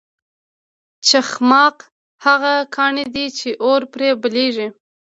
چخماق هغه کاڼی دی چې اور پرې بلیږي.